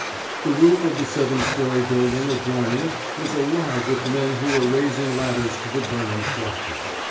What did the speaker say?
The roof of the seven story building adjoining was alive with men who were rais ing ladders to the burning structure.